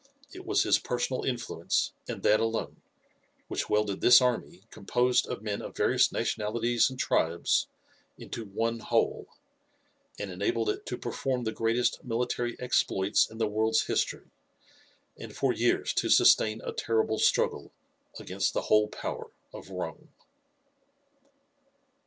It was his personal influence, and that alone, which welded this army, composed of men of various nationalities and tribes, into one whole, and enabled it to perform the greatest military exploits in the world's history, and for years to sustain a terrible struggle against the whole power of Rome.